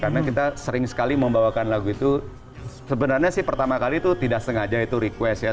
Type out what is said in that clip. karena kita sering sekali membawakan lagu itu sebenarnya sih pertama kali itu tidak sengaja itu request ya